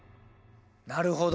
なるほど。